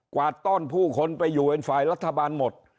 วาดต้อนผู้คนไปอยู่เป็นฝ่ายรัฐบาลหมด